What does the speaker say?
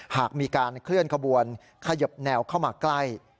หากมีการเคลื่อนขบวนขยิบแนวเข้ามาใกล้